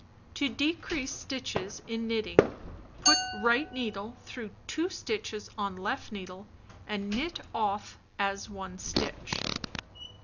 To Decrease Stitches in Knitting Put right needle through 2 stitches on left needle and knit off as 1 stitch.